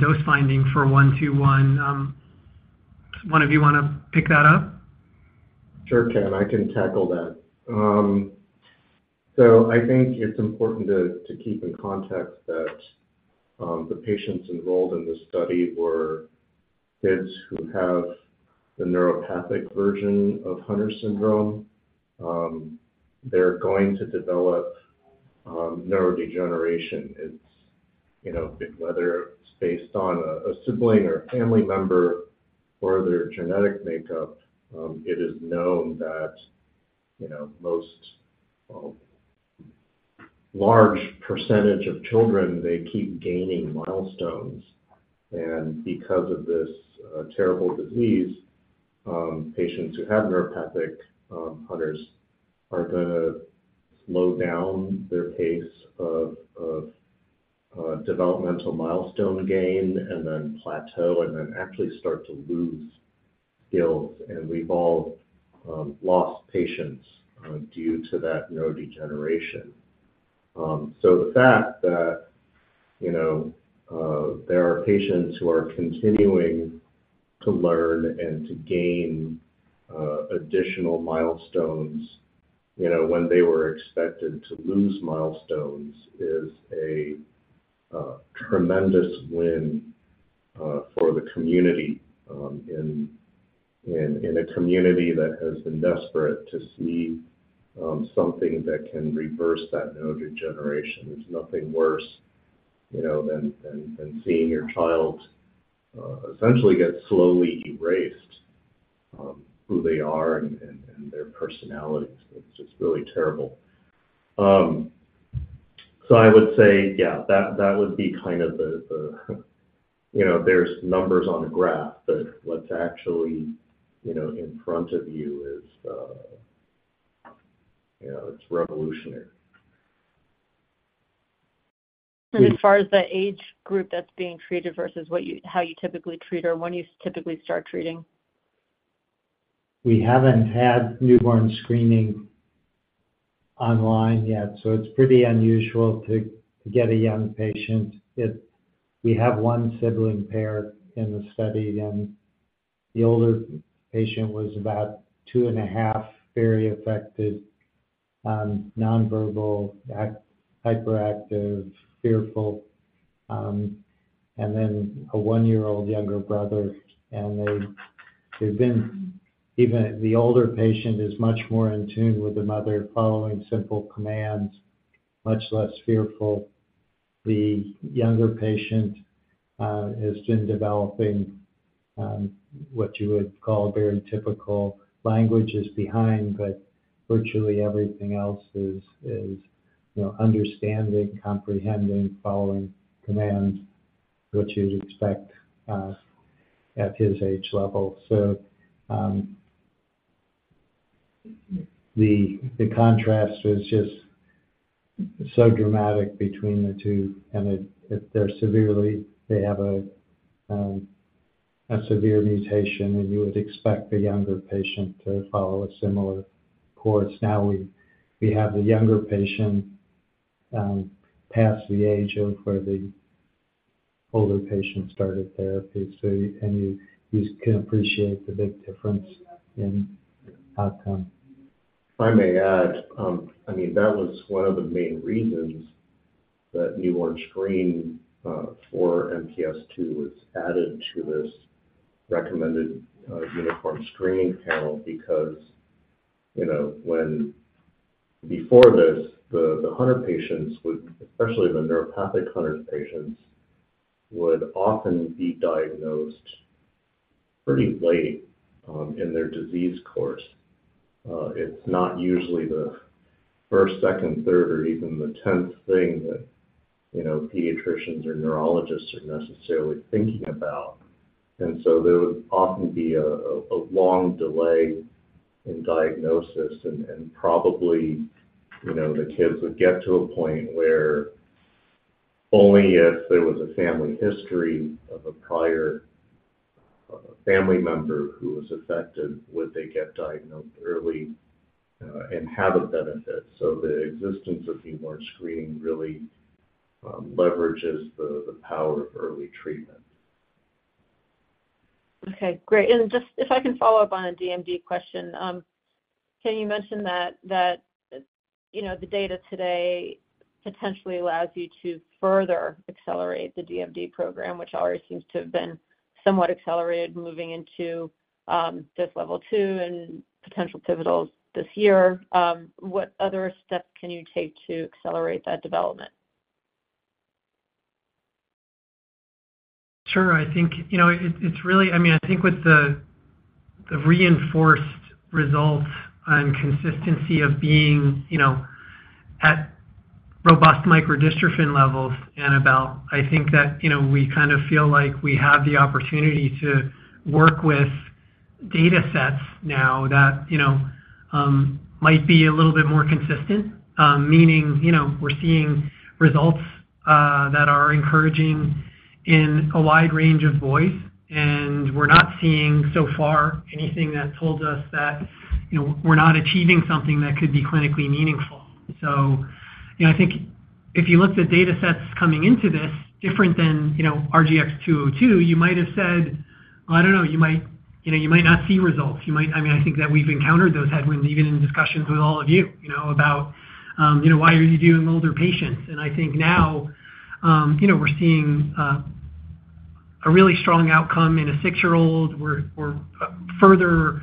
dose finding for 121. One of you want to pick that up? Sure, Ken, I can tackle that. So I think it's important to keep in context that the patients enrolled in this study were kids who have the neuropathic version of Hunter syndrome. They're going to develop neurodegeneration. It's, you know, whether it's based on a sibling or a family member or their genetic makeup, it is known that, you know, most, well, large percentage of children, they keep gaining milestones. And because of this terrible disease, patients who have neuropathic Hunters are gonna slow down their pace of developmental milestone gain and then plateau and then actually start to lose skills, and we've all lost patients due to that neurodegeneration. So the fact that, you know, there are patients who are continuing to learn and to gain additional milestones, you know, when they were expected to lose milestones, is a tremendous win for the community, in a community that has been desperate to see something that can reverse that neurodegeneration. There's nothing worse, you know, than seeing your child essentially get slowly erased, who they are and their personalities. It's just really terrible. So I would say, yeah, that would be kind of the, you know, there's numbers on a graph, but what's actually, you know, in front of you is, you know, it's revolutionary. As far as the age group that's being treated versus how you typically treat or when you typically start treating? We haven't had newborn screening online yet, so it's pretty unusual to get a young patient. We have one sibling pair in the study, and the older patient was about 2.5, very affected, non-verbal, hyperactive, fearful, and then a one-year-old younger brother. They've been... Even the older patient is much more in tune with the mother, following simple commands, much less fearful. The younger patient has been developing what you would call very typical. Language is behind, but virtually everything else is, you know, understanding, comprehending, following commands, which you'd expect at his age level. So, the contrast was just so dramatic between the two, and it, they're severely, they have a severe mutation, and you would expect the younger patient to follow a similar course. Now, we have the younger patient past the age of where the older patient started therapy. You can appreciate the big difference in outcome. If I may add, I mean, that was one of the main reasons that newborn screening for MPS II was added to this recommended uniform screening panel. Because, you know, when before this, the Hunter patients would, especially the neuronopathic Hunter patients, would often be diagnosed pretty late in their disease course. It's not usually the first, second, third, or even the tenth thing that, you know, pediatricians or neurologists are necessarily thinking about. And so there would often be a long delay in diagnosis and probably, you know, the kids would get to a point where only if there was a family history of a prior family member who was affected, would they get diagnosed early and have a benefit. So the existence of newborn screening really leverages the power of early treatment. Okay, great. And just if I can follow up on a DMD question. Ken, you mentioned that, that, you know, the data today potentially allows you to further accelerate the DMD program, which already seems to have been somewhat accelerated moving into, this level two and potential pivotals this year. What other steps can you take to accelerate that development? Sure. I think, you know, it's really... I mean, I think with the reinforced results and consistency of being, you know, at robust microdystrophin levels, Annabel, I think that, you know, we kind of feel like we have the opportunity to work with data sets now that, you know, might be a little bit more consistent. Meaning, you know, we're seeing results that are encouraging in a wide range of boys, and we're not seeing, so far, anything that tells us that, you know, we're not achieving something that could be clinically meaningful. So, you know, I think if you looked at data sets coming into this, different than, you know, RGX-202, you might have said, "I don't know, you might, you know, you might not see results." You might, I mean, I think that we've encountered those headwinds even in discussions with all of you, you know, about, you know, why are you doing older patients? And I think now, you know, we're seeing a really strong outcome in a six-year-old. We're further,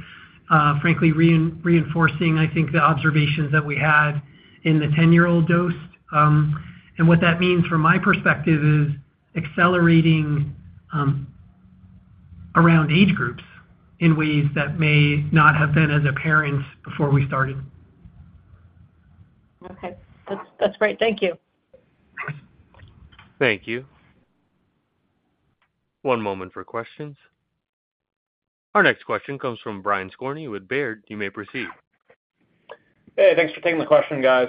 frankly, reinforcing, I think, the observations that we had in the 10-year-old dose. And what that means from my perspective, is accelerating around age groups in ways that may not have been as apparent before we started. Okay. That's, that's great. Thank you. Thank you. One moment for questions. Our next question comes from Brian Skorney with Baird. You may proceed. Hey, thanks for taking the question, guys.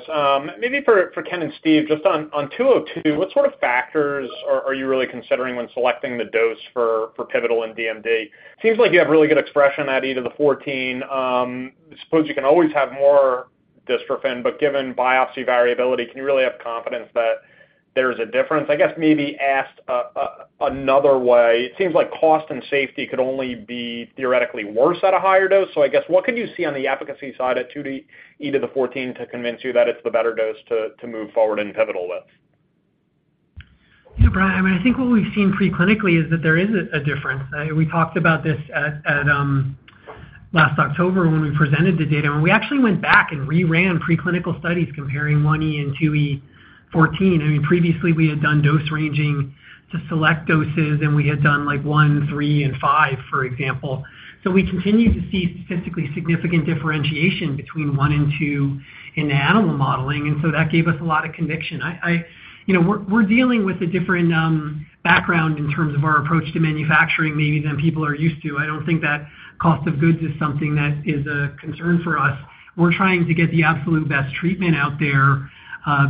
Maybe for Ken and Steve, just on 202, what sort of factors are you really considering when selecting the dose for pivotal and DMD? Seems like you have really good expression at 10^14. I suppose you can always have more dystrophin, but given biopsy variability, can you really have confidence that there's a difference? I guess maybe asked another way, it seems like cost and safety could only be theoretically worse at a higher dose. So I guess, what can you see on the efficacy side at 2 × 10^14 to convince you that it's the better dose to move forward in pivotal with? Yeah, Brian, I think what we've seen preclinically is that there is a difference. We talked about this at last October when we presented the data, and we actually went back and reran preclinical studies comparing 1E and 2E14. I mean, previously we had done dose ranging to select doses, and we had done, like, one, three, and five, for example. So we continued to see statistically significant differentiation between one and two in the animal modeling, and so that gave us a lot of conviction. You know, we're dealing with a different background in terms of our approach to manufacturing, maybe than people are used to. I don't think that cost of goods is something that is a concern for us. We're trying to get the absolute best treatment out there,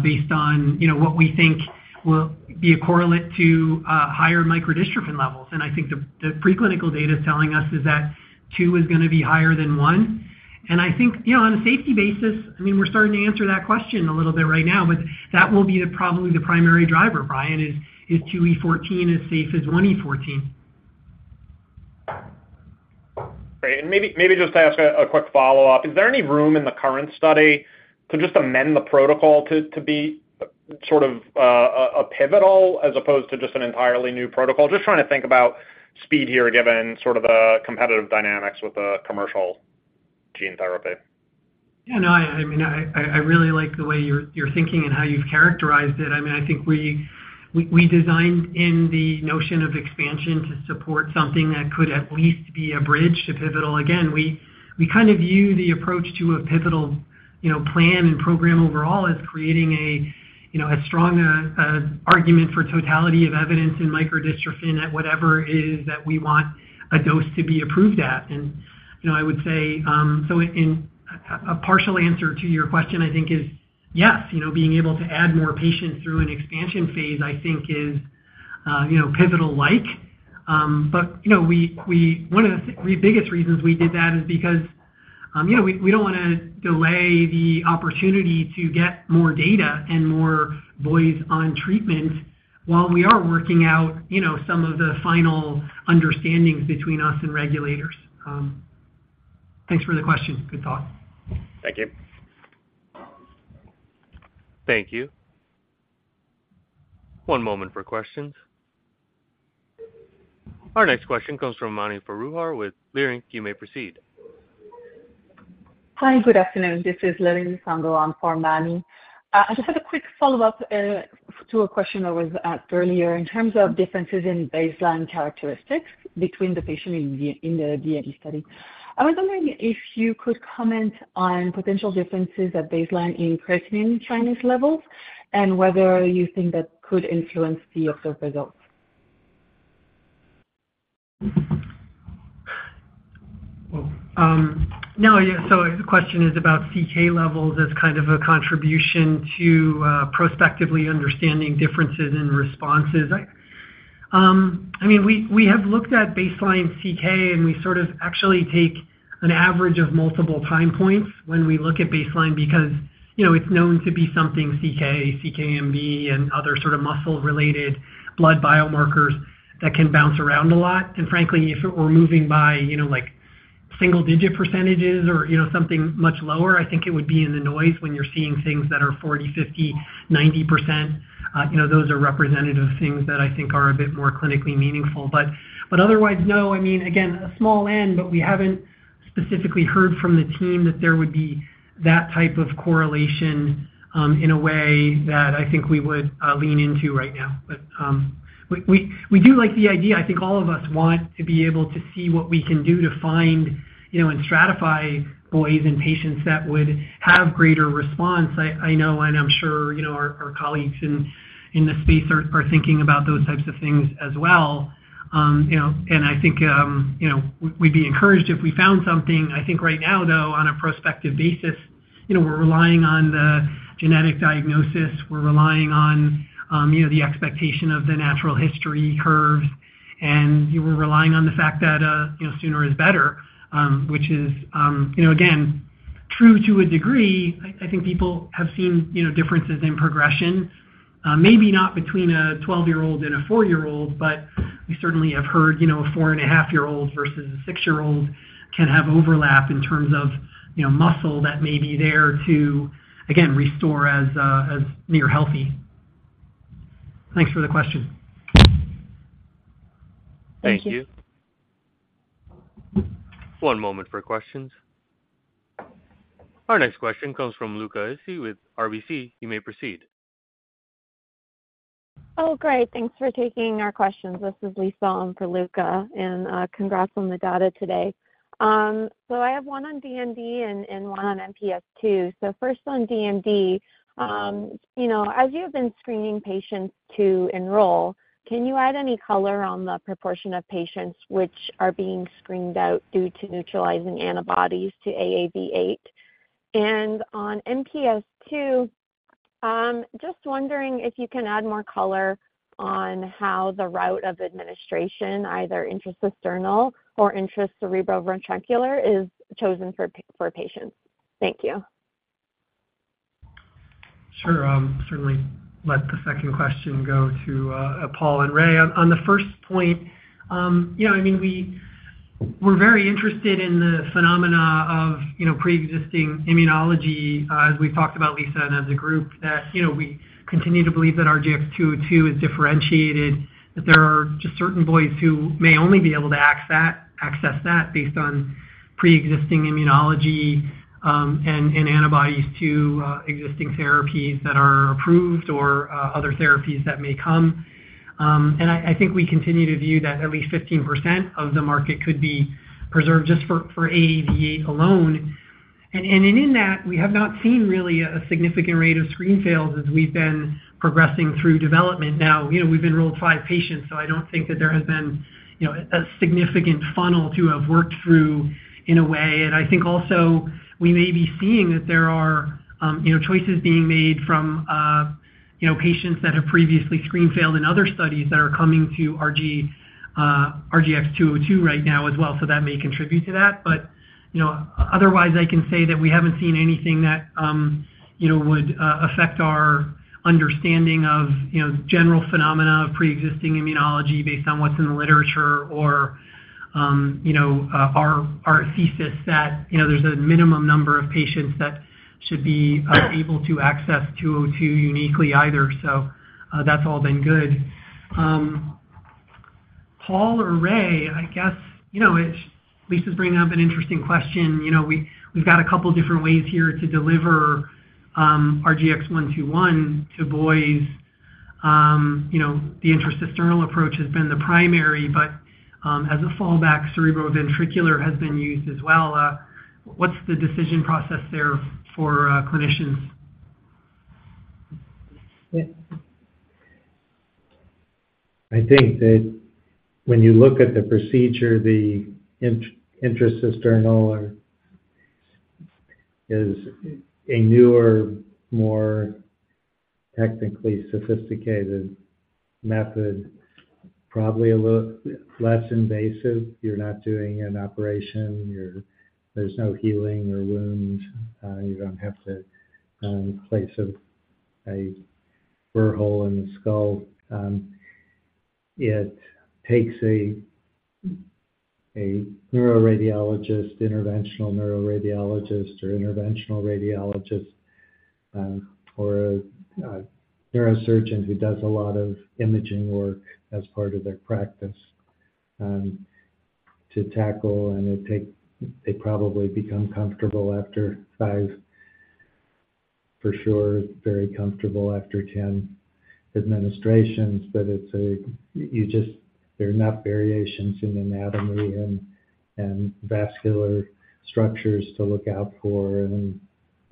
based on, you know, what we think will be a correlate to, higher microdystrophin levels. And I think the, the preclinical data is telling us is that two is gonna be higher than one. And I think, you know, on a safety basis, I mean, we're starting to answer that question a little bit right now, but that will be the, probably the primary driver, Brian, is, is 2E14 as safe as 1E14. Great. And maybe just to ask a quick follow-up. Is there any room in the current study to just amend the protocol to be sort of a pivotal as opposed to just an entirely new protocol? Just trying to think about speed here, given sort of the competitive dynamics with the commercial gene therapy. Yeah, no, I mean, I really like the way you're thinking and how you've characterized it. I mean, I think we designed in the notion of expansion to support something that could at least be a bridge to pivotal. Again, we kind of view the approach to a pivotal... you know, plan and program overall is creating a, you know, a strong argument for totality of evidence in microdystrophin at whatever it is that we want a dose to be approved at. And, you know, I would say, so in a partial answer to your question, I think is yes, you know, being able to add more patients through an expansion phase, I think is, you know, pivotal-like. But, you know, one of the biggest reasons we did that is because, you know, we don't wanna delay the opportunity to get more data and more boys on treatment while we are working out, you know, some of the final understandings between us and regulators. Thanks for the question. Good talk. Thank you. Thank you. One moment for questions. Our next question comes from Mani Foroohar with Leerink. You may proceed. Hi, good afternoon. This is Larry Sangalon for Mani. I just had a quick follow-up to a question that was asked earlier. In terms of differences in baseline characteristics between the patient in the DMD study, I was wondering if you could comment on potential differences at baseline in creatine kinase levels and whether you think that could influence the observed results? No. Yeah, the question is about CK levels as kind of a contribution to prospectively understanding differences in responses. I mean, we have looked at baseline CK, and we sort of actually take an average of multiple time points when we look at baseline, because, you know, it's known to be something CK, CK-MB, and other sort of muscle-related blood biomarkers that can bounce around a lot. Frankly, if we're moving by, you know, like single-digit percentages or, you know, something much lower, I think it would be in the noise when you're seeing things that are 40%, 50%, 90%. You know, those are representative things that I think are a bit more clinically meaningful. But otherwise, no, I mean, again, a small n, but we haven't specifically heard from the team that there would be that type of correlation in a way that I think we would lean into right now. But we do like the idea. I think all of us want to be able to see what we can do to find, you know, and stratify boys and patients that would have greater response. I know, and I'm sure you know, our colleagues in the space are thinking about those types of things as well. You know, and I think, you know, we'd be encouraged if we found something. I think right now, though, on a prospective basis, you know, we're relying on the genetic diagnosis, we're relying on, you know, the expectation of the natural history curves, and we're relying on the fact that, you know, sooner is better, which is, you know, again, true to a degree. I think people have seen, you know, differences in progression, maybe not between a 12-year-old and a four-year-old, but we certainly have heard, you know, a 4.5-year-old versus a six-year-old can have overlap in terms of, you know, muscle that may be there to, again, restore as near healthy. Thanks for the question. Thank you. Thank you. One moment for questions. Our next question comes from Luca Issi with RBC. You may proceed. Oh, great. Thanks for taking our questions. This is Lisa on for Luca, and congrats on the data today. So I have one on DMD and one on MPS II. So first on DMD, you know, as you have been screening patients to enroll, can you add any color on the proportion of patients which are being screened out due to neutralizing antibodies to AAV8? And on MPS II, just wondering if you can add more color on how the route of administration, either intracisternal or intracerebroventricular, is chosen for patients. Thank you. Sure. Certainly let the second question go to Paul and Ray. On the first point, you know, I mean, we're very interested in the phenomena of preexisting immunology, as we've talked about, Lisa, and as a group that, you know, we continue to believe that RGX-202 is differentiated, that there are just certain boys who may only be able to access that, access that based on preexisting immunology, and antibodies to existing therapies that are approved or other therapies that may come. And I think we continue to view that at least 15% of the market could be preserved just for AAV8 alone. And in that, we have not seen really a significant rate of screen fails as we've been progressing through development. Now, you know, we've enrolled 5 patients, so I don't think that there has been, you know, a significant funnel to have worked through in a way. And I think also we may be seeing that there are, you know, choices being made from, you know, patients that have previously screen failed in other studies that are coming to RGX-202 right now as well. So that may contribute to that. But, you know, otherwise, I can say that we haven't seen anything that, you know, would affect our understanding of, you know, general phenomena of preexisting immunology based on what's in the literature or, you know, our thesis that, you know, there's a minimum number of patients that should be able to access 202 uniquely either. So, that's all been good. Paul or Ray, I guess, you know, it's Lisa's bringing up an interesting question. You know, we, we've got a couple different ways here to deliver RGX-121 to boys, you know, the intracisternal approach has been the primary, but, as a fallback, intracerebroventricular has been used as well. What's the decision process there for, clinicians? I think that when you look at the procedure, the intracisternal is a newer, more technically sophisticated method, probably a little less invasive. You're not doing an operation. There's no healing or wounds. You don't have to place a burr hole in the skull. It takes a neuroradiologist, interventional neuroradiologist, or interventional radiologist, or a neurosurgeon who does a lot of imaging work as part of their practice to tackle. They probably become comfortable after five, for sure, very comfortable after 10 administrations. But it's a. There are variations in anatomy and vascular structures to look out for and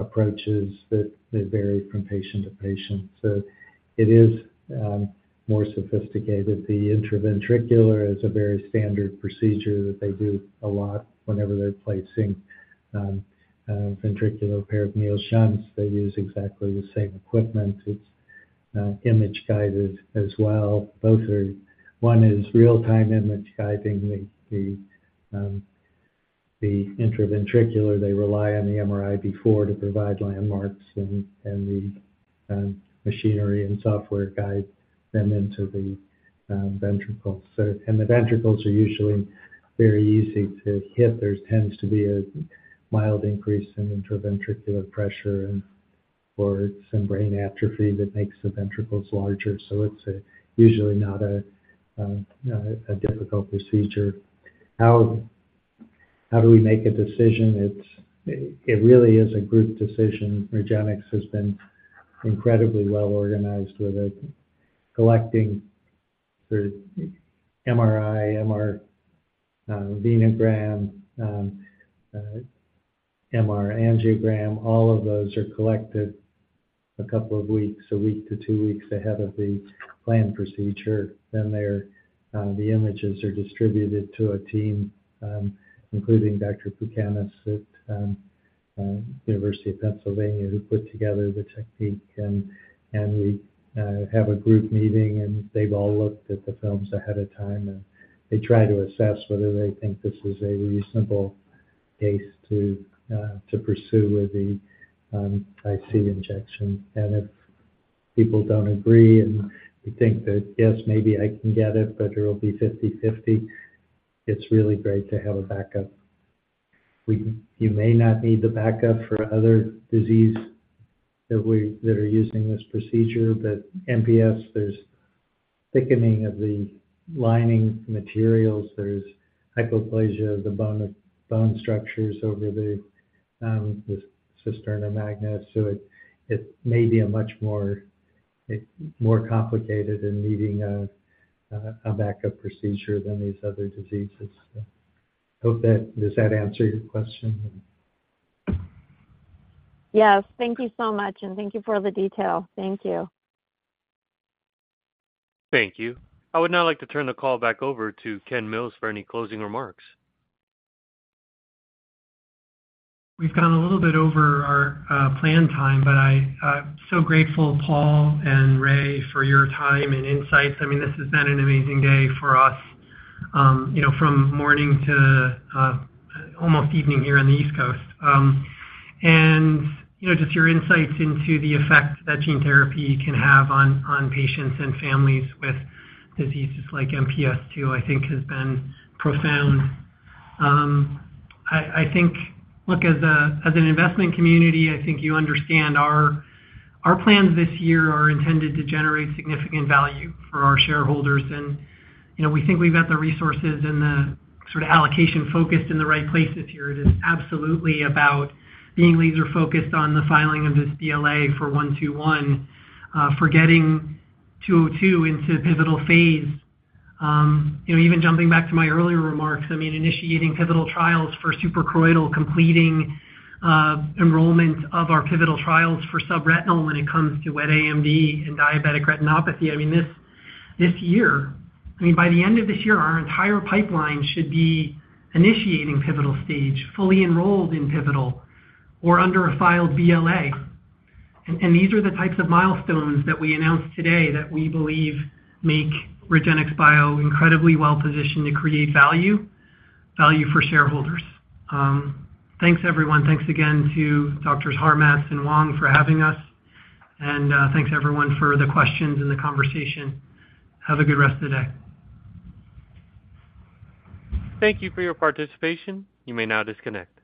approaches that vary from patient to patient. So it is more sophisticated. The intraventricular is a very standard procedure that they do a lot whenever they're placing ventriculoperitoneal shunts. They use exactly the same equipment. It's image guided as well. Both are... One is real-time image guiding. The intraventricular, they rely on the MRI before to provide landmarks, and the machinery and software guide them into the ventricles. So, the ventricles are usually very easy to hit. There tends to be a mild increase in intraventricular pressure and, or some brain atrophy that makes the ventricles larger. So it's usually not a difficult procedure. How do we make a decision? It's really a group decision. REGENXBIO has been incredibly well organized with it, collecting the MRI, MR venogram, MR angiogram. All of those are collected a couple of weeks, a week to two weeks ahead of the planned procedure. Then the images are distributed to a team, including Dr. Pukenas at University of Pennsylvania, who put together the technique. We have a group meeting, and they've all looked at the films ahead of time, and they try to assess whether they think this is a reasonable case to pursue with the IC injection. If people don't agree and they think that, yes, maybe I can get it, but it'll be 50/50, it's really great to have a backup. You may not need the backup for other disease that we are using this procedure, but MPS, there's thickening of the lining materials. There's hypoplasia of the bone structures over the cisterna magna. So it may be a much more complicated and needing a backup procedure than these other diseases. So hope that... Does that answer your question? Yes. Thank you so much, and thank you for all the detail. Thank you. Thank you. I would now like to turn the call back over to Ken Mills for any closing remarks. We've gone a little bit over our planned time, but I'm so grateful, Paul and Ray, for your time and insights. I mean, this has been an amazing day for us, you know, from morning to almost evening here on the East Coast. And, you know, just your insights into the effect that gene therapy can have on patients and families with diseases like MPS II, I think has been profound. I think, look, as an investment community, I think you understand our plans this year are intended to generate significant value for our shareholders. And, you know, we think we've got the resources and the sort of allocation focused in the right places here. It is absolutely about being laser-focused on the filing of this BLA for RGX-121, for getting RGX-202 into pivotal phase. You know, even jumping back to my earlier remarks, I mean, initiating pivotal trials for suprachoroidal, completing enrollment of our pivotal trials for subretinal when it comes to wet AMD and diabetic retinopathy. I mean, this year, I mean, by the end of this year, our entire pipeline should be initiating pivotal stage, fully enrolled in pivotal or under a filed BLA. And, and these are the types of milestones that we announced today that we believe make REGENXBIO incredibly well positioned to create value, value for shareholders. Thanks, everyone. Thanks again to Drs. Harmatz and Wang for having us. And, thanks, everyone, for the questions and the conversation. Have a good rest of the day. Thank you for your participation. You may now disconnect.